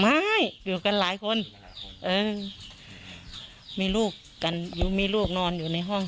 ไม่อยู่กันหลายคนอยู่กันหลายคนเออมีลูกกันอยู่มีลูกนอนอยู่ในห้อง